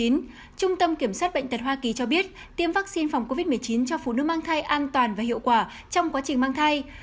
trung tâm kiểm soát bệnh tật hoa kỳ cho biết tiêm vaccine phòng covid một mươi chín cho phụ nữ mang thai an toàn và hiệu quả trong quá trình mang thai